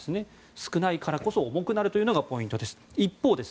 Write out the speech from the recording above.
少ないからこそ重くなるのがポイントです。